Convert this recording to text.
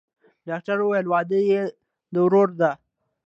ډاکتر وويل واده يې د ورور دىه.